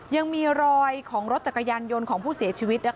ยังมีรอยของรถจักรยานยนต์ของผู้เสียชีวิต